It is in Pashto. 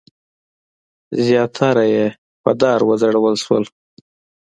زیاتره یې پر دار وځړول شول.